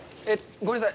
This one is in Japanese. ごめんなさい。